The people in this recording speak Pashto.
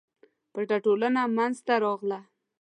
پټه ټولنه منځته راغله.